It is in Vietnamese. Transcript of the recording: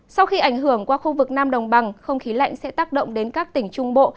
sau khi ảnh hưởng qua khu vực nam đồng bằng không khí lạnh sẽ tác động đến các tỉnh trung bộ